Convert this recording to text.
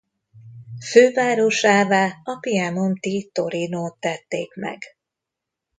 Fővárosává a piemonti Torinót tették meg.